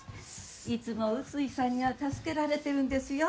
いつも宇津井さんには助けられてるんですよ。